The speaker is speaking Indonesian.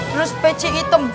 terus peci hitam